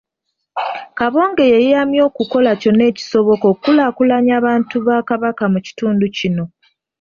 Kabonge yeeyamye okukola kyonna ekisoboka okukulaakulanya abantu ba Kabaka mu kitundu kino